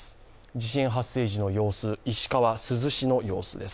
地震発生時の様子、石川・珠洲市の様子です。